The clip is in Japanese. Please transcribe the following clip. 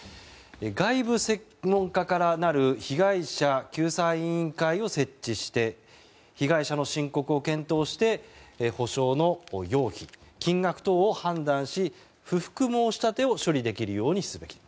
外部専門家からなる被害者救済委員会を設置して被害者の申告を検討して補償の要否金額等を判断し、不服申し立てを処理できるようにすべき。